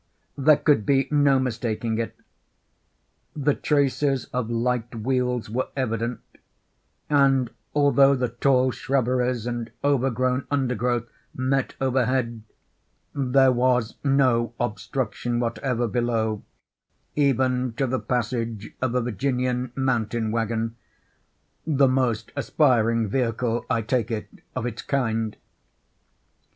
There could be no mistaking it. The traces of light wheels were evident; and although the tall shrubberies and overgrown undergrowth met overhead, there was no obstruction whatever below, even to the passage of a Virginian mountain wagon—the most aspiring vehicle, I take it, of its kind.